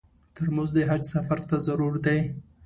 ترموز د حج سفر ته ضرور دی.